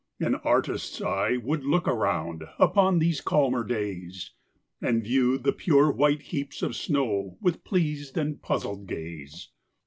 An artist's eye would look around, Upon these calmer days, And view the pure white heaps of snow, With pleas'd and puzzl'd gaze.